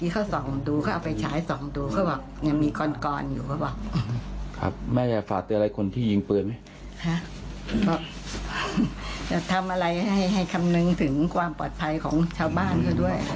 ก็ทำอะไรให้คำนึงถึงความปลอดภัยของชาวบ้านเขาด้วย